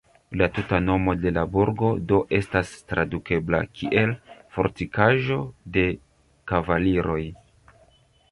La tuta nomo de la burgo do estas tradukebla kiel "fortikaĵo de kavaliroj".